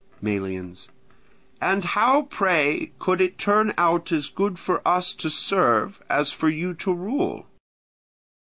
Melians. And how, pray, could it turn out as good for us to serve as for you to rule?